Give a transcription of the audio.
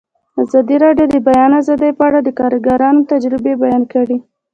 ازادي راډیو د د بیان آزادي په اړه د کارګرانو تجربې بیان کړي.